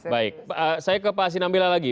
baik saya ke pak sinambela lagi